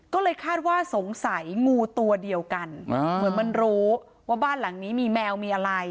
ก็เลยคาดว่าสงสัยงูตัวเดียวกันเหมือนมันรู้ว่าบ้านหลังนี้มีแมวมีอะไร